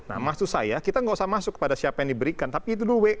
nah maksud saya kita nggak usah masuk kepada siapa yang diberikan tapi itu dulu way